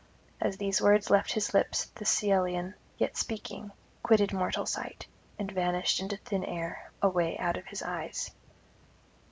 As these words left his lips the Cyllenian, yet speaking, quitted mortal sight and vanished into thin air away out of his eyes.